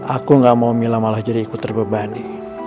aku gak mau mila malah jadi ikut terbebani